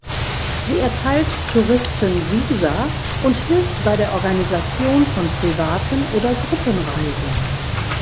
Sie erteilt Touristen Visa und hilft bei der Organisation von privaten oder Gruppenreisen.